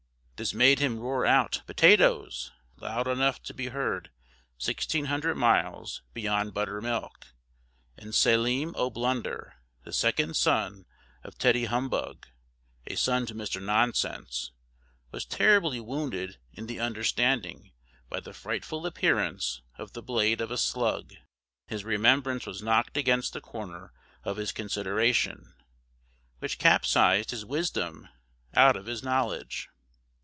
This made him roar out "potatoes" loud enough to be heard sixteen hundred miles beyond Buttermilk, and Selim O'Blunder, the second son of Teddy Humbug, a son to Mr. Nonsense, was terribly wounded in the understanding by the frightful appearance of the blade of a slug, his remembrance was knocked against the corner of his consideration, which capsized his wisdom out of his Knowledge.